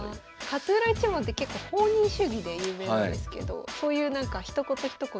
勝浦一門って結構放任主義で有名なんですけどそういうひと言ひと言。